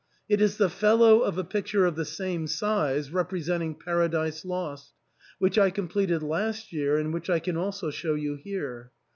It is the fellow of a picture of the same size, representing ' Paradise Lost,' which I completed last year and which I can also show you here.